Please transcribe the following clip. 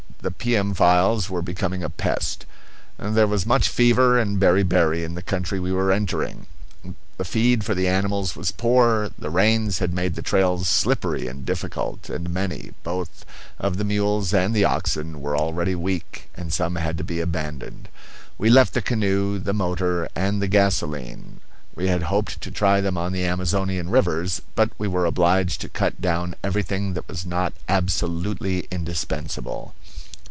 The pium flies were becoming a pest. There was much fever and beriberi in the country we were entering. The feed for the animals was poor; the rains had made the trails slippery and difficult; and many, both of the mules and the oxen, were already weak, and some had to be abandoned. We left the canoe, the motor, and the gasolene; we had hoped to try them on the Amazonian rivers, but we were obliged to cut down everything that was not absolutely indispensable.